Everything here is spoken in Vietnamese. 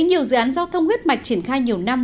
nhiều dự án giao thông huyết mạch triển khai nhiều năm